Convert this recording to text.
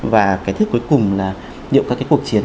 và cái thức cuối cùng là liệu các cái cuộc chiến